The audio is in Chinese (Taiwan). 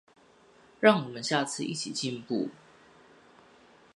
讓我們下次一起進步